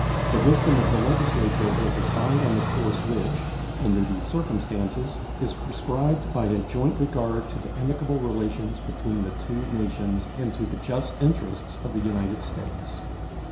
The wisdom of the Legislature will decide on the course which, under these circumstances, is prescribed by a joint regard to the amicable relations between the two nations and to the just interests of the United States.